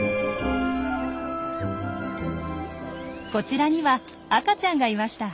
こちらには赤ちゃんがいました。